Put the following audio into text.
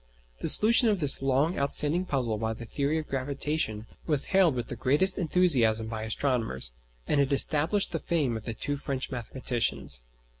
The solution of this long outstanding puzzle by the theory of gravitation was hailed with the greatest enthusiasm by astronomers, and it established the fame of the two French mathematicians.